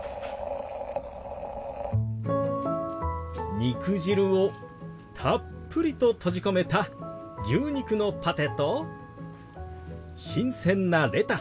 肉汁をたっぷりと閉じ込めた牛肉のパテと新鮮なレタス。